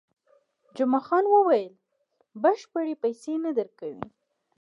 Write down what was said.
جمعه خان وویل، بشپړې پیسې نه درکوي.